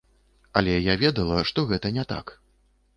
Але я ведала, што гэта не так.